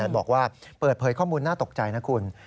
บอกว่าเปิดเผยข้อมูลน่าตกใจนะคุณ